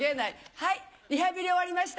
はいリハビリ終わりました。